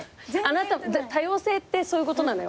多様性ってそういうことなのよ。